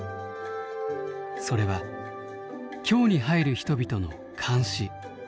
それは京に入る人々の監視。